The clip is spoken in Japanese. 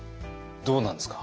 どうなんですか？